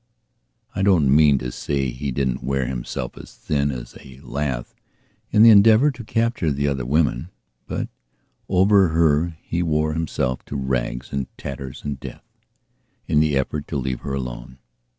I don't mean to say that he didn't wear himself as thin as a lath in the endeavour to capture the other women; but over her he wore himself to rags and tatters and deathin the effort to leave her alone.